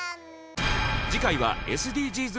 次回はＳＤＧｓ